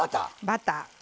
バター。